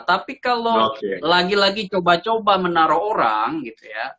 tapi kalau lagi lagi coba coba menaruh orang gitu ya